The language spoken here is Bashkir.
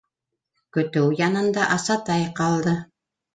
Көтөү янында Асатай ҡалды.